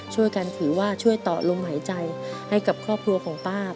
ถือว่าช่วยต่อลมหายใจให้กับครอบครัวของป้า